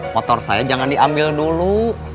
motor saya jangan diambil dulu